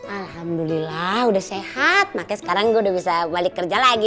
alhamdulillah udah sehat makanya sekarang gue udah bisa balik kerja lagi